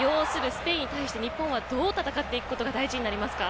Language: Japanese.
スペインに対して日本はどう戦っていくことが大事になりますか？